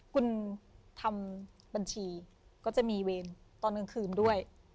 คุณทำบัญชีก็จะมีเวรตอนกลางคืนด้วย